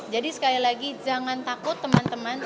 jadi sekali lagi jangan takut teman teman